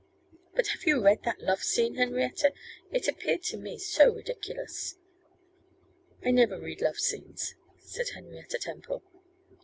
'But have you read that love scene, Henrietta? It appeared to me so ridiculous!' 'I never read love scenes,' said Henrietta Temple.